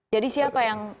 jadi siapa yang